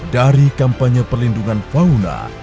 dari kampanye perlindungan fauna